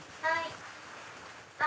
はい。